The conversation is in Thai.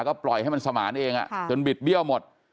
ก็ปล่อยให้มันสมานเองจนบิดเบี้ยวหมด